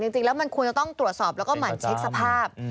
จริงแล้วมันควรจะต้องตรวจสอบแล้วก็หมั่นเช็คสภาพ